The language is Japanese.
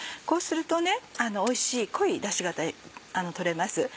こうするとおいしい濃いダシが取れます。